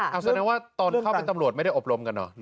เอาแสดงว่าตอนเข้าเป็นตำรวจไม่ได้อบรมกันเหรอ